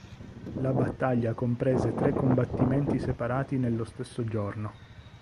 La battaglia comprese tre combattimenti separati nello stesso giorno.